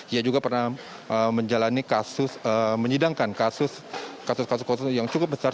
ia juga pernah menjalani kasus menyidangkan kasus kasus yang cukup besar